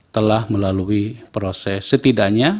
telah melalui proses setidaknya